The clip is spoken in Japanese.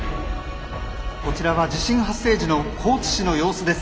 こちらは地震発生時の高知市の様子です。